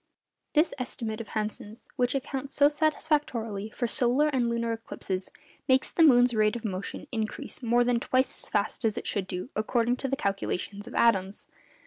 This estimate of Hansen's, which accounts so satisfactorily for solar and lunar eclipses, makes the moon's rate of motion increase more than twice as fast as it should do according to the calculations of Adams.